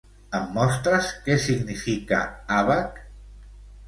Em mostres què significa àbac?